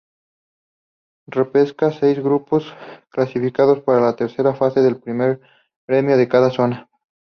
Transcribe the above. Repesca: Seis grupos, clasificando para la tercera fase el primero de cada zona.